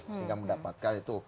sehingga mendapatkan itu